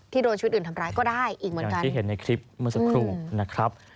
โดนชุดอื่นทำร้ายก็ได้อีกเหมือนกันที่เห็นในคลิปเมื่อสักครู่นะครับ